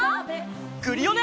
クリオネ！